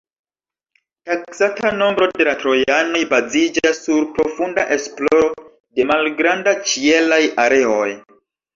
Taksata nombro da trojanoj baziĝas sur profunda esploro de malgranda ĉielaj areoj.